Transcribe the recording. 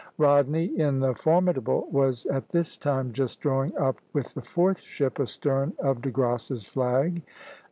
C). Rodney, in the "Formidable," was at this time just drawing up with the fourth ship astern of De Grasse's flag.